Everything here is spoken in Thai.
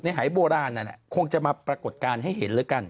หายโบราณนั้นคงจะมาปรากฏการณ์ให้เห็นแล้วกัน